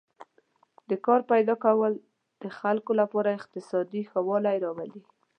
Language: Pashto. د کار پیدا کول د خلکو لپاره اقتصادي ښه والی راولي.